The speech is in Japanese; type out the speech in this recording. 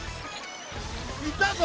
いたぞ。